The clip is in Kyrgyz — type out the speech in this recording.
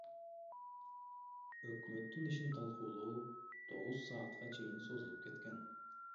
Өкмөттүн ишин талкуулоо тогуз саатка чейин созулуп кеткен.